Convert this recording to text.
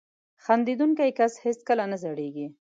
• خندېدونکی کس هیڅکله نه زړېږي.